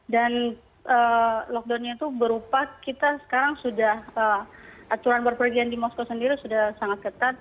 dan lockdownnya itu berupa kita sekarang sudah aturan berpergian di moskow sendiri sudah sangat ketat